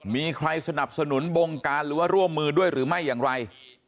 มีใครสนับสนุนบงการหรือว่าร่วมมือด้วยหรือไม่อย่างไร